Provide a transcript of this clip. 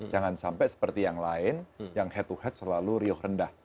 jangan sampai seperti yang lain yang head to head selalu riuh rendah